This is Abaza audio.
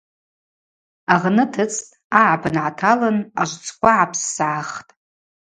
Агъны тыцӏтӏ, агӏапын гӏаталын – ажвцӏква гӏапссгӏахтӏ.